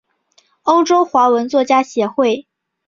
欧洲华文作家协会。